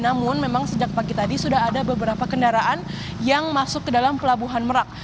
namun memang sejak pagi tadi sudah ada beberapa kendaraan yang masuk ke dalam pelabuhan merak